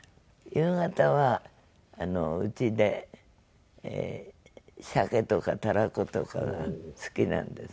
夕方はうちでシャケとかタラコとかが好きなんです。